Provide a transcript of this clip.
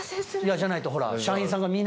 じゃないとほら。